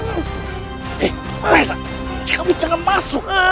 eh kamu jangan masuk